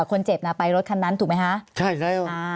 คนเจ็บน่ะไปรถคันนั้นถูกไหมคะใช่แล้วอ่า